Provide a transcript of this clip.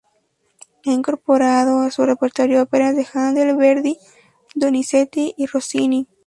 Ha incorporado a su repertorio óperas de Händel, Verdi, Donizetti y Rossini.